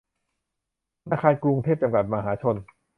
ธนาคารกรุงเทพ จำกัด มหาชน